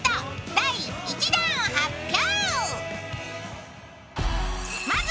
第１弾を発表！